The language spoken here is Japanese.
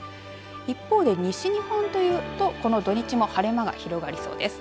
一方で西日本というとこの土日も晴れ間が広がりそうです。